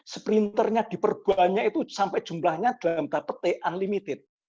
splinter nya diperbuahannya itu sampai jumlahnya dalam dapetnya unlimited